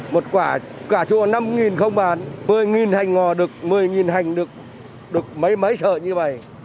một quả cà chua năm không bán một mươi hành ngò được một mươi hành được được mấy mấy sợ như vậy